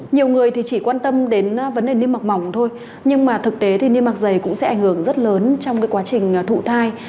nhiều người thì chỉ quan tâm đến vấn đề niêm mạc mỏng thôi nhưng mà thực tế thì niêm mạc dày cũng sẽ ảnh hưởng rất lớn trong cái quá trình thụ thai